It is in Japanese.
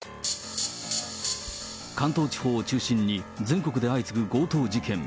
関東地方を中心に全国で相次ぐ強盗事件。